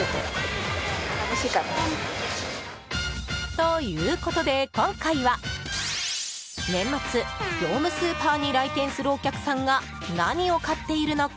ということで今回は年末、業務スーパーに来店するお客さんが何を買っているのか？